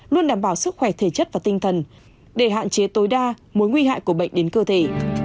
luôn đảm bảo sức khỏe thể chất và tinh thần để hạn chế tối đa mối nguy hại của bệnh đến cơ thể